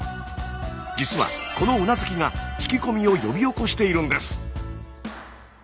実はこのうなずきが引き込みを呼び起こしているんです。